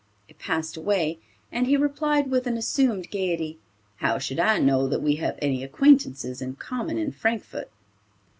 It passed away, and he replied with an assumed gayety, "How should I know that we have any acquaintances in common in Frankfort?"